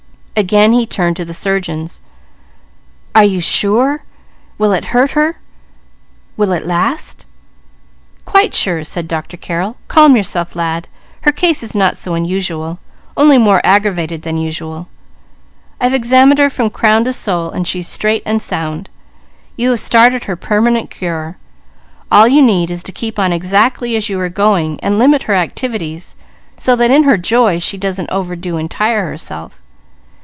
Again he turned to the surgeons. "Are you sure? Will it hurt her? Will it last?" "Very sure," said Dr. Carrel. "Calm yourself, lad. Her case is not so unusual; only more aggravated than usual. I've examined her from crown to sole, and she's straight and sound. You have started her permanent cure; all you need is to keep on exactly as you are going, and limit her activities so that in her joy she doesn't overdo and tire herself.